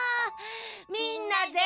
みんなぜんぜん。